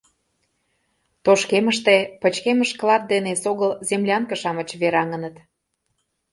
Тошкемыште пычкемыш клат ден эсогыл землянке-шамыч вераҥыныт.